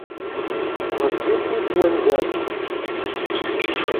Ɣezzifit wanzaren-is.